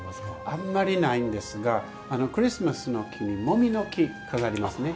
あんまりないんですがクリスマスの日にもみの木、飾りますね。